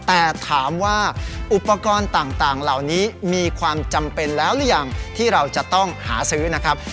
แต่ถามว่าอุปกรณ์ต่างเหล่านี้มีความจำเป็นแล้วหรือยังที่เราจะต้องหาซื้อนะครับ